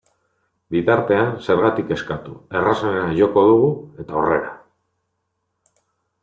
Bitartean, zergatik kezkatu, errazenera joko dugu eta aurrera!